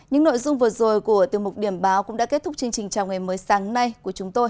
những nội dung vừa rồi của tiêu mục điểm báo cũng đã kết thúc chương trình chào ngày mới sáng nay của chúng tôi